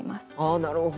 なるほど。